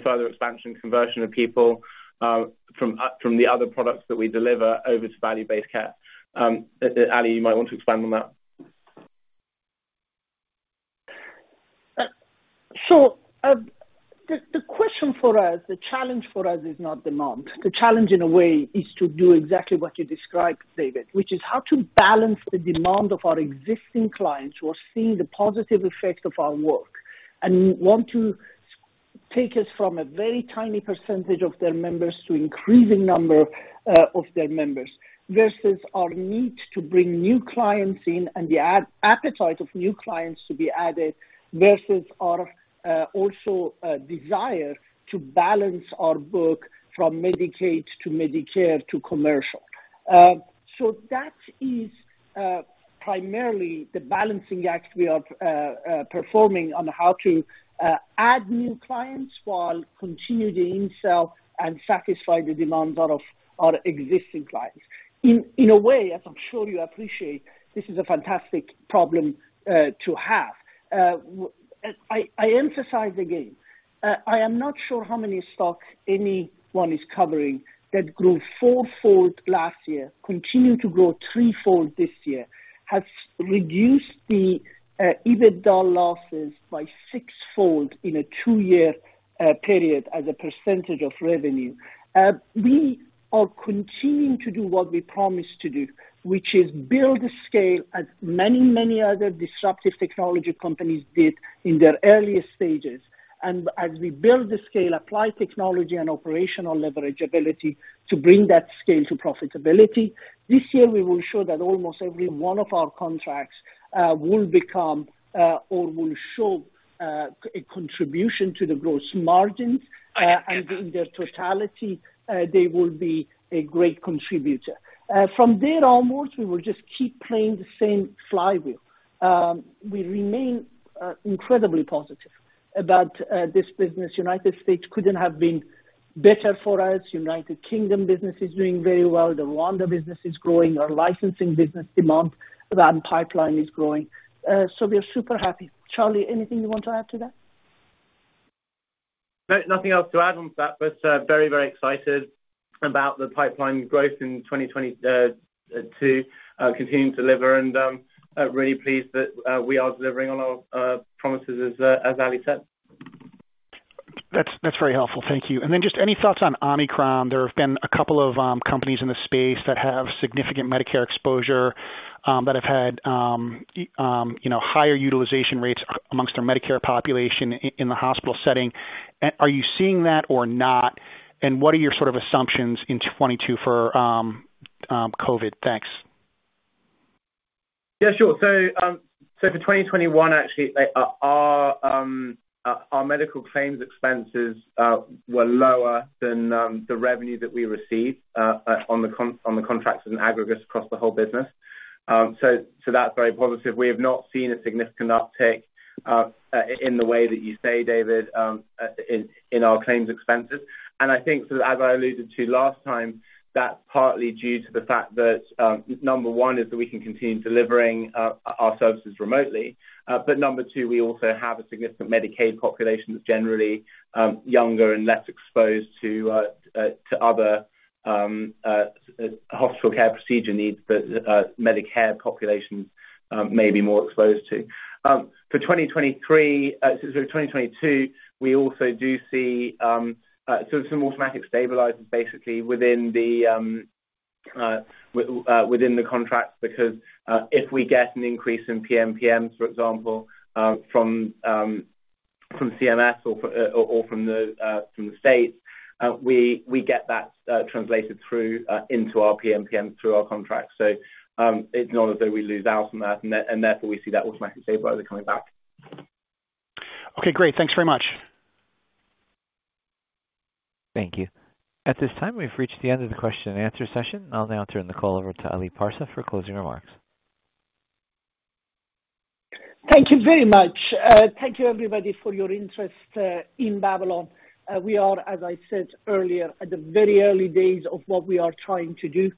further expansion, conversion of people from the other products that we deliver over to value-based care. Ali, you might want to expand on that. The question for us, the challenge for us is not demand. The challenge in a way is to do exactly what you described, David, which is how to balance the demand of our existing clients who are seeing the positive effect of our work and want to spend, take us from a very tiny percentage of their members to increasing number of their members, versus our need to bring new clients in and the appetite of new clients to be added, versus our also desire to balance our book from Medicaid to Medicare to commercial. That is primarily the balancing act we are performing on how to add new clients while continuing to in-sell and satisfy the demands out of our existing clients. In a way, as I'm sure you appreciate, this is a fantastic problem to have. I emphasize again, I am not sure how many stocks anyone is covering that grew four-fold last year, continue to grow three-fold this year, has reduced the EBITDA losses by six-fold in a two-year period as a percentage of revenue. We are continuing to do what we promised to do, which is build scale as many other disruptive technology companies did in their earliest stages. As we build the scale, apply technology and operational leverage ability to bring that scale to profitability, this year we will show that almost every one of our contracts will become or will show a contribution to the gross margin, and in their totality, they will be a great contributor. From there onwards, we will just keep playing the same flywheel. We remain incredibly positive about this business. United States couldn't have been better for us. United Kingdom business is doing very well. The Rwanda business is growing. Our licensing business demand and pipeline is growing. We are super happy. Charlie, anything you want to add to that? No, nothing else to add on to that, but very, very excited about the pipeline growth in 2022, continuing to deliver and really pleased that we are delivering on our promises as Ali said. That's very helpful. Thank you. Just any thoughts on Omicron? There have been a couple of companies in the space that have significant Medicare exposure, that have had higher utilization rates among their Medicare population in the hospital setting. Are you seeing that or not? What are your sort of assumptions in 2022 for COVID? Thanks. Yeah, sure. For 2021, actually, our medical claims expenses were lower than the revenue that we received on the contracts and aggregates across the whole business. That's very positive. We have not seen a significant uptick in the way that you say, David, in our claims expenses. I think as I alluded to last time, that's partly due to the fact that number one is that we can continue delivering our services remotely. Number two, we also have a significant Medicaid population that's generally younger and less exposed to other hospital care procedure needs that Medicare populations may be more exposed to. For 2023, sorry, 2022, we also do see some automatic stabilizers basically within the contracts because if we get an increase in PMPMs, for example, from CMS or from the states, we get that translated through into our PMPM through our contracts. It's not as though we lose out from that, and therefore we see that automatic stabilizer coming back. Okay, great. Thanks very much. Thank you. At this time, we've reached the end of the question and answer session. I'll now turn the call over to Ali Parsa for closing remarks. Thank you very much. Thank you everybody for your interest in Babylon. We are, as I said earlier, at the very early days of what we are trying to do.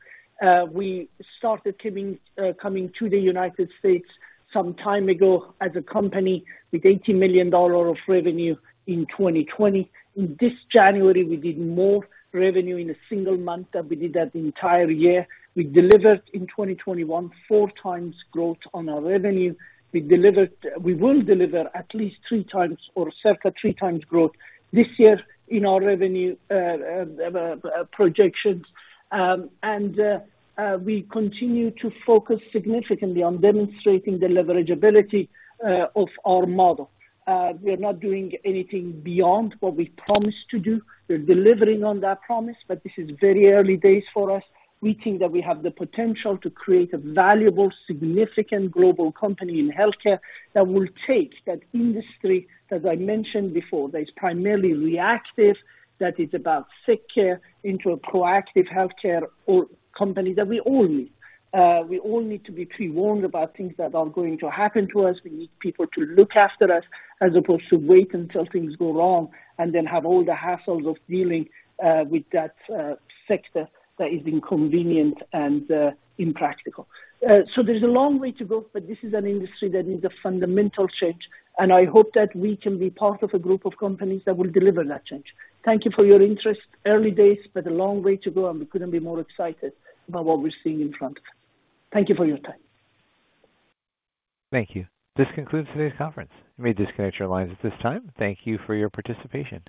We started coming to the United States some time ago as a company with $80 million of revenue in 2020. In this January, we did more revenue in a single month than we did that entire year. We delivered in 2021 4x growth on our revenue. We will deliver at least 3x or circa 3x growth this year in our revenue projections. We continue to focus significantly on demonstrating the leverageability of our model. We are not doing anything beyond what we promised to do. We're delivering on that promise, but this is very early days for us. We think that we have the potential to create a valuable, significant global company in healthcare that will take that industry, as I mentioned before, that is primarily reactive, that is about sick care into a proactive healthcare or company that we all need. We all need to be pre-warned about things that are going to happen to us. We need people to look after us as opposed to wait until things go wrong and then have all the hassles of dealing with that sector that is inconvenient and impractical. There's a long way to go, but this is an industry that needs a fundamental change, and I hope that we can be part of a group of companies that will deliver that change. Thank you for your interest. Early days, but a long way to go, and we couldn't be more excited about what we're seeing in front of us. Thank you for your time. Thank you. This concludes today's conference. You may disconnect your lines at this time. Thank you for your participation.